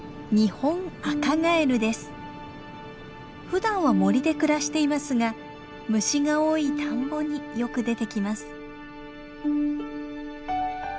ふだんは森で暮らしていますが虫が多い田んぼによく出てきます。